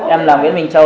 em là nguyễn minh châu